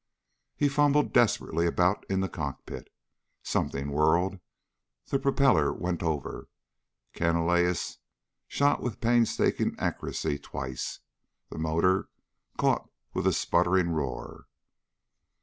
He fumbled desperately about in the cockpit. Something whirred. The propeller went over.... Canalejas shot with painstaking accuracy, twice. The motor caught with a spluttering roar.